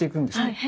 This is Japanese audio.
はい。